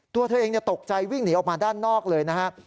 ตัวเธอเองตกใจวิ่งหนีออกมาด้านนอกเลยนะฮะ